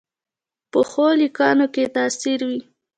پخو لیکنو کې تاثیر وي